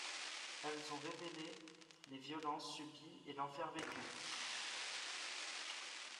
Elles ont révélé les violences subies et l’enfer vécu.